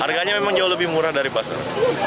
harganya memang jauh lebih murah dari pasar